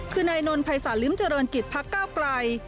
คือนายนนทภัยศาลิมเจริญกิจพักก้าวไกล